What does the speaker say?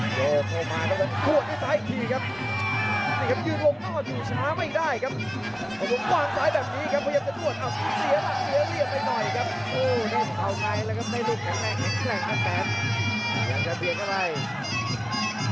โดทวงมาแล้วก็ถูกไปทรายอีกทีครับ